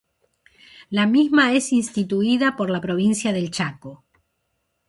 La misma es instituida por la Provincia del Chaco.